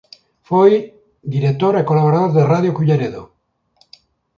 Foi director e colaborador de Radio Culleredo.